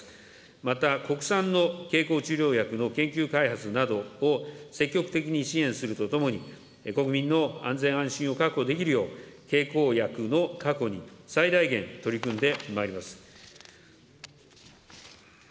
また、国産の経口治療薬の研究開発などを積極的に支援するとともに、国民の安全安心を確保できるよう、経口薬の確保に最大限取り組んでまいります。